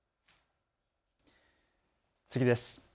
次です。